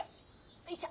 よいしょ。